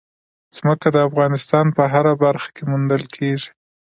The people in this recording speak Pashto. ځمکه د افغانستان په هره برخه کې موندل کېږي.